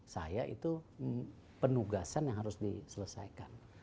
saya itu penugasan yang harus diselesaikan